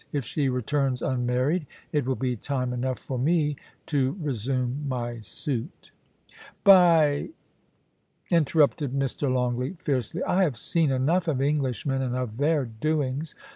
If she returns unmarried, it will be time enough for me to resume my suit' * By !' interrupted Mr. Longleat, fiercely, * I have seen enough of Englishmen and of their doings.